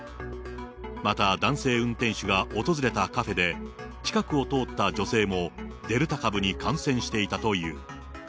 また男性運転手が訪れたカフェで、近くを通った女性も、デルタ株に感染していたという。